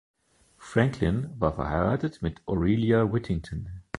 Franklin war verheiratet mit Aurelia Whittington.